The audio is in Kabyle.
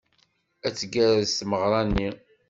Ay tgerrez tmeɣra-nni!